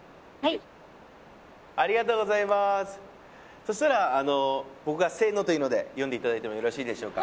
そしたらあの僕がせーの！というので読んでいただいてもよろしいでしょうか？